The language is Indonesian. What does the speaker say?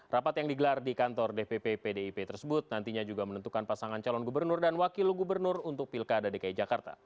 rapat yang digelar di kantor dpp pdip tersebut nantinya juga menentukan pasangan calon gubernur dan wakil gubernur untuk pilkada dki jakarta